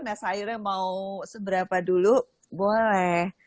nah sayurnya mau seberapa dulu boleh